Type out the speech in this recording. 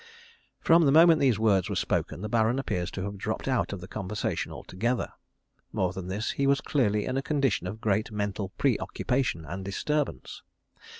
_" From the moment these words were spoken the Baron appears to have dropped out of the conversation altogether. More than this, he was clearly in a condition of great mental pre occupation and disturbance.